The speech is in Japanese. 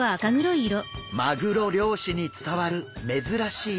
マグロ漁師に伝わる珍しい沖料理。